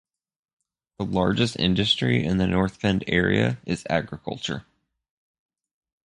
The largest industry in the North Bend area is agriculture.